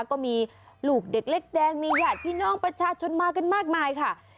ก็มีลูกเด็กเล็กแดงมีญาติพี่น้องประชาชนมากันมากมายค่ะ